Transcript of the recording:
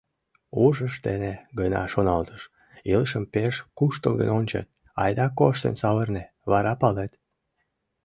Ушыж дене гына шоналтыш: «Илышым пеш куштылгын ончет, айда коштын савырне, вара палет».